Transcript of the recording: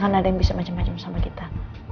karena ada yang bisa macam macam sama kita